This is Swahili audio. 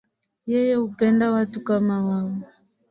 Yeye hupenda watu kama wao